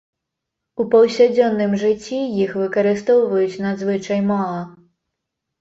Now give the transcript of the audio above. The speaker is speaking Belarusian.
У паўсядзённым жыцці іх выкарыстоўваюць надзвычай мала.